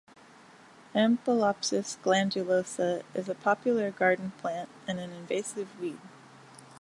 "Ampelopsis glandulosa" is a popular garden plant and an invasive weed.